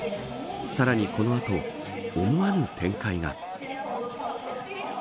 さらにこの後思わぬ展開が。